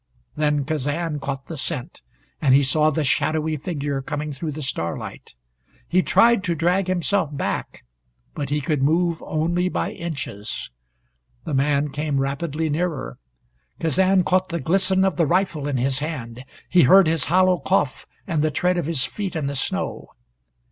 Then Kazan caught the scent, and he saw the shadowy figure coming through the starlight. He tried to drag himself back, but he could move only by inches. The man came rapidly nearer. Kazan caught the glisten of the rifle in his hand. He heard his hollow cough, and the tread of his feet in the snow.